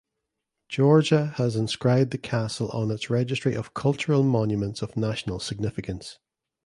Georgia has inscribed the castle on its registry of Cultural Monuments of National Significance.